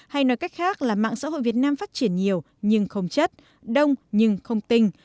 hay nói cách khác là mạng xã hội việt nam phát triển nhiều nhưng không chất đông nhưng không tinh